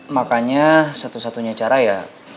makanya satu satunya cara ya